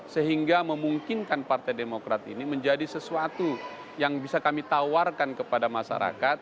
sehingga memungkinkan partai demokrat ini menjadi sesuatu yang bisa kami tawarkan kepada masyarakat